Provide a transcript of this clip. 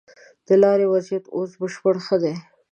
د لارې وضيعت اوس بشپړ ښه دی.